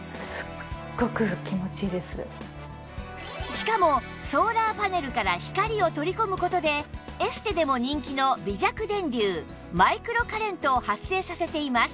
しかもソーラーパネルから光を取り込む事でエステでも人気の微弱電流マイクロカレントを発生させています